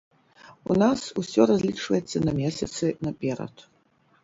У нас усё разлічваецца на месяцы наперад.